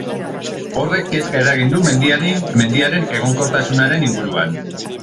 Horrek kezka eragin du mendiaren egonkortasunaren inguruan.